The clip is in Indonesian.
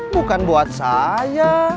bukan buat saya